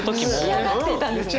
仕上がっていたんですね。